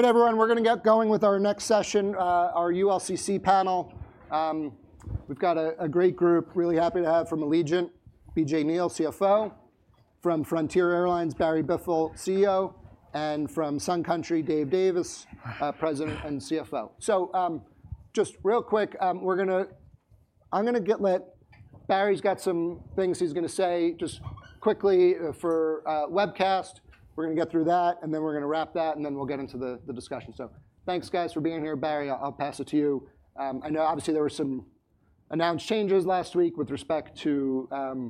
Everyone, we're gonna get going with our next session, our ULCC panel. We've got a great group, really happy to have from Allegiant, BJ Neal, CFO. From Frontier Airlines, Barry Biffle, CEO, and from Sun Country, Dave Davis, president and CFO. So, just real quick, Barry's got some things he's gonna say just quickly for webcast. We're gonna get through that, and then we're gonna wrap that, and then we'll get into the discussion. So thanks, guys, for being here. Barry, I'll pass it to you. I know obviously there were some announced changes last week with respect to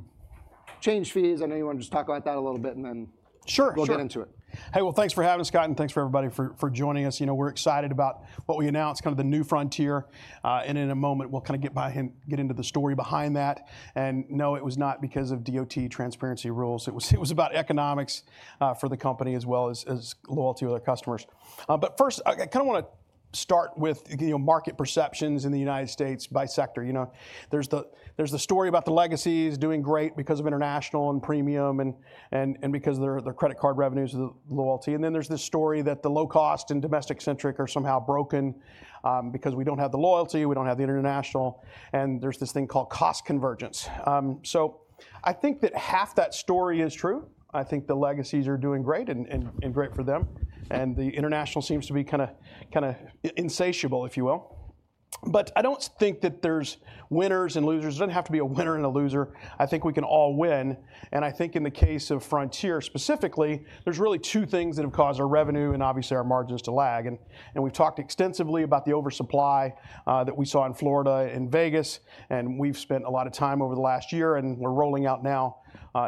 change fees. I know you wanna just talk about that a little bit, and then- Sure, sure. We'll get into it. Hey, well, thanks for having us, Scott, and thanks for everybody for joining us. You know, we're excited about what we announced, kind of the New Frontier, and in a moment, we'll kind of get into the story behind that, and no, it was not because of DOT transparency rules. It was about economics for the company as well as loyalty to our customers. But first, I kind of wanna start with, you know, market perceptions in the United States by sector. You know, there's the story about the legacies doing great because of international and premium and because their credit card revenues, the loyalty. And then there's this story that the low-cost and domestic-centric are somehow broken, because we don't have the loyalty, we don't have the international, and there's this thing called cost convergence. So I think that half that story is true. I think the legacies are doing great and great for them, and the international seems to be kind of insatiable, if you will. But I don't think that there's winners and losers. There doesn't have to be a winner and a loser. I think we can all win, and I think in the case of Frontier specifically, there's really two things that have caused our revenue and obviously our margins to lag. We've talked extensively about the oversupply that we saw in Florida and Vegas, and we've spent a lot of time over the last year, and we're rolling out now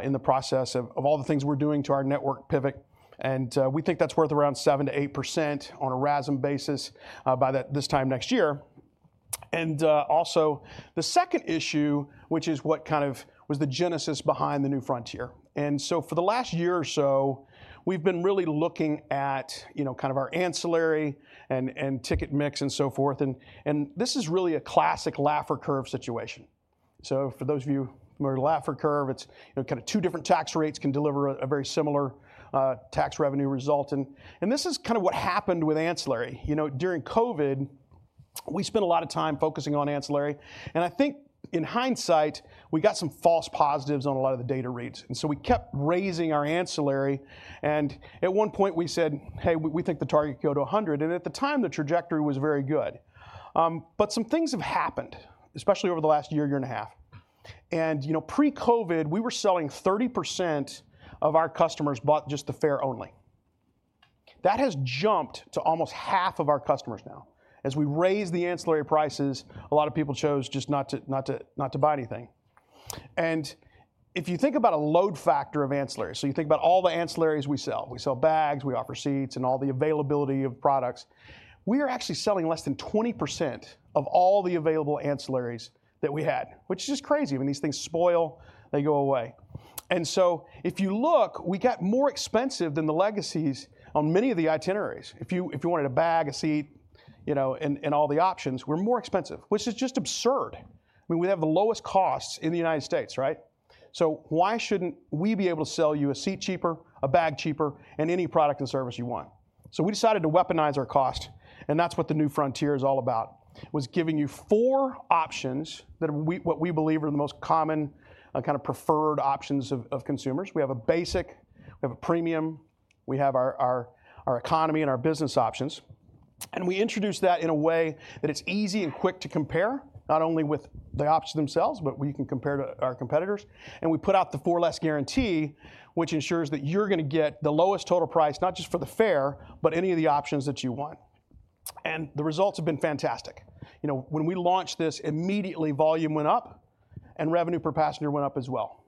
in the process of all the things we're doing to our network pivot, and we think that's worth around 7%-8% on a RASM basis by this time next year. Also, the second issue, which is what kind of was the genesis behind the New Frontier. So for the last year or so, we've been really looking at, you know, kind of our ancillary and ticket mix and so forth, and this is really a classic Laffer Curve situation. So for those of you who remember the Laffer Curve, it's, you know, kind of two different tax rates can deliver a very similar tax revenue result, and this is kind of what happened with ancillary. You know, during COVID, we spent a lot of time focusing on ancillary, and I think in hindsight, we got some false positives on a lot of the data reads, and so we kept raising our ancillary, and at one point we said, "Hey, we think the target could go to 100." And at the time, the trajectory was very good. But some things have happened, especially over the last year and a half, and, you know, pre-COVID, we were selling 30% of our customers bought just the fare only. That has jumped to almost half of our customers now. As we raised the ancillary prices, a lot of people chose just not to buy anything. And if you think about a load factor of ancillaries, so you think about all the ancillaries we sell, we sell bags, we offer seats, and all the availability of products. We are actually selling less than 20% of all the available ancillaries that we had, which is just crazy. When these things spoil, they go away. And so if you look, we got more expensive than the legacies on many of the itineraries. If you wanted a bag, a seat, you know, and all the options, we're more expensive, which is just absurd. I mean, we have the lowest costs in the United States, right? So why shouldn't we be able to sell you a seat cheaper, a bag cheaper, and any product and service you want? So we decided to weaponize our cost, and that's what The New Frontier is all about, was giving you four options—what we believe are the most common kind of preferred options of consumers. We have a Basic, we have a Premium, we have our Economy and our Business options, and we introduce that in a way that it's easy and quick to compare, not only with the options themselves, but we can compare to our competitors. And we put out the For Less guarantee, which ensures that you're gonna get the lowest total price, not just for the fare, but any of the options that you want. And the results have been fantastic. You know, when we launched this, immediately volume went up, and revenue per passenger went up as well.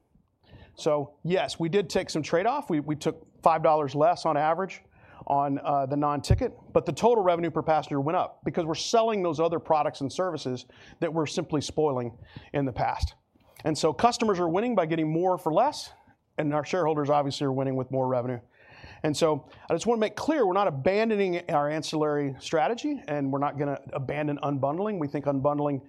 So yes, we did take some trade-off. We took $5 less on average on the non-ticket, but the total revenue per passenger went up because we're selling those other products and services that were simply spoiling in the past. And so customers are winning by getting more for less, and our shareholders obviously are winning with more revenue. And so I just want to make clear, we're not abandoning our ancillary strategy, and we're not gonna abandon unbundling. We think unbundling,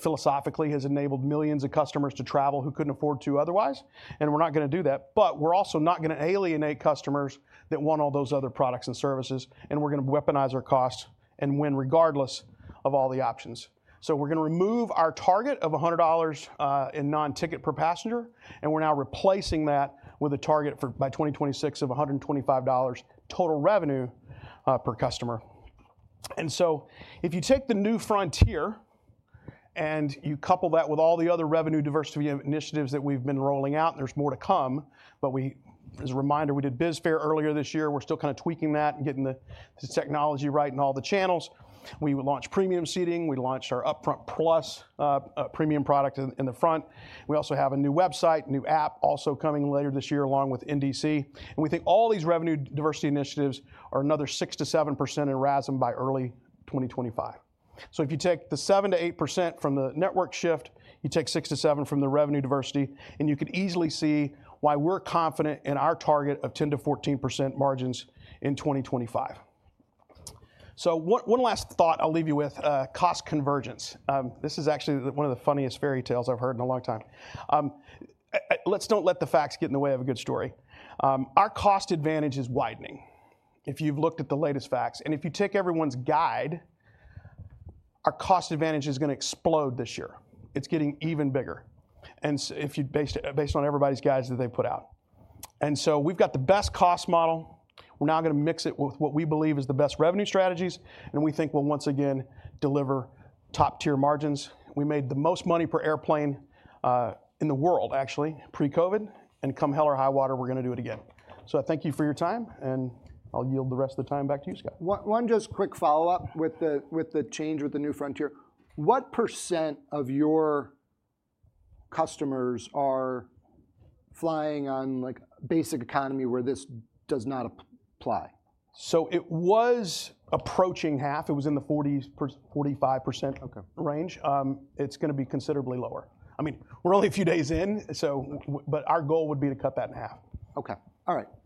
philosophically, has enabled millions of customers to travel who couldn't afford to otherwise, and we're not gonna do that. But we're also not gonna alienate customers that want all those other products and services, and we're gonna weaponize our costs and win regardless of all the options. So we're gonna remove our target of $100 in non-ticket per passenger, and we're now replacing that with a target for by 2026 of $125 total revenue per customer. And so if you take The New Frontier, and you couple that with all the other revenue diversity initiatives that we've been rolling out, and there's more to come, but we, as a reminder, we did BizFare earlier this year. We're still kind of tweaking that and getting the technology right in all the channels. We launched premium seating, we launched our UpFront Plus premium product in the front. We also have a new website, new app also coming later this year, along with NDC. And we think all these revenue diversity initiatives are another 6%-7% in RASM by early 2025. So if you take the 7%-8% from the network shift, you take 6-7 from the revenue diversity, and you can easily see why we're confident in our target of 10%-14% margins in 2025. So one last thought I'll leave you with, cost convergence. This is actually the one of the funniest fairy tales I've heard in a long time. Let's don't let the facts get in the way of a good story. Our cost advantage is widening. If you've looked at the latest facts, and if you take everyone's guidance, our cost advantage is gonna explode this year. It's getting even bigger, and based on everybody's guidance that they put out. And so we've got the best cost model. We're now gonna mix it with what we believe is the best revenue strategies, and we think we'll once again deliver top-tier margins. We made the most money per airplane, in the world, actually, pre-COVID, and come hell or high water, we're gonna do it again. So I thank you for your time, and I'll yield the rest of the time back to you, Scott. Just quick follow-up with the change with the New Frontier. What % of your customers are flying on, like, basic economy where this does not apply? It was approaching half. It was in the 45%- Okay... range. It's gonna be considerably lower. I mean, we're only a few days in, so but our goal would be to cut that in half. Okay. All right.